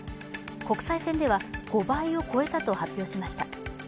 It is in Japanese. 国際線では５倍を超えたと発表しました。